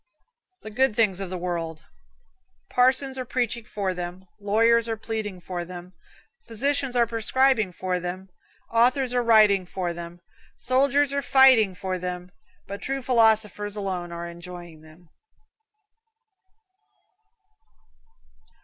The Good Things of the World. Parsons are preaching for them, lawyers are pleading for them, physicians are prescribing for them, authors are writing for them, soldiers are fighting for them, but true philosophers alone are enjoying them.